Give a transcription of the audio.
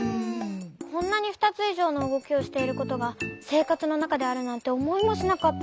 こんなにふたついじょうのうごきをしていることがせいかつのなかであるなんておもいもしなかった。